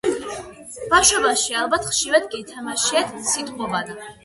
ბავშვობაში ალბათ ხშირად გითამაშიათ “სიტყვობანა“ -